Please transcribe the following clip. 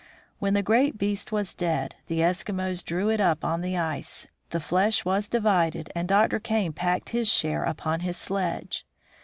When the great beast was dead, the Eskimos drew it up on the ice, the flesh was divided, and Dr. Kane packed his share upon his sledge.